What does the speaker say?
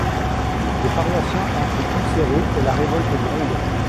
Les paroissiens en sont ulcérés et la révolte gronde.